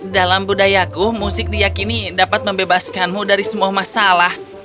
dalam budayaku musik diyakini dapat membebaskanmu dari semua masalah